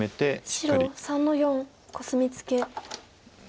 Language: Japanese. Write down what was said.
白３の四コスミツケ。